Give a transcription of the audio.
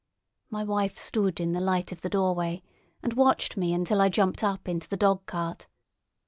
My wife stood in the light of the doorway, and watched me until I jumped up into the dog cart.